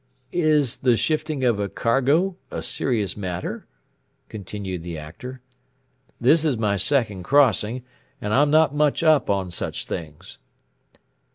"Is the shifting of a cargo a serious matter?" continued the Actor. "This is my second crossing and I'm not much up on such things."